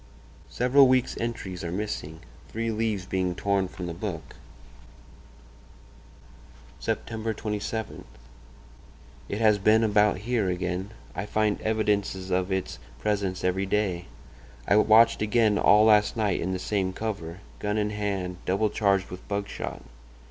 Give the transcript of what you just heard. ... Several weeks' entries are missing, three leaves being torn from the book. "Sept. 27.—It has been about here again—I find evidences of its presence every day. I watched again all last night in the same cover, gun in hand, double charged with buckshot.